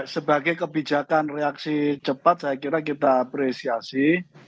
sebagai kebijakan reaksi cepat saya kira kita apresiasi